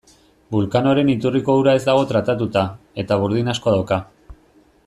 Vulcanoren iturriko ura ez dago tratatuta, eta burdin asko dauka.